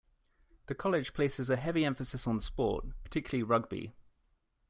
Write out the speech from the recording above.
The college places a heavy emphasis on sport, particularly rugby.